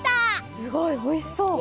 すごい、おいしそう。